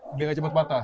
biar nggak cepat patah